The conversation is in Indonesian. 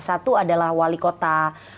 satu adalah wali kota